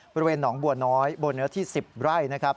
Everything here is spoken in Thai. บริเวณหนองบัวน้อยบนเนื้อที่๑๐ไร่นะครับ